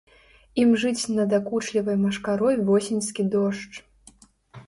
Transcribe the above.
Імжыць надакучлівай машкарой восеньскі дождж.